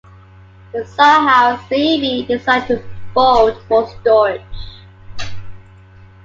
The sawhorse may be designed to fold for storage.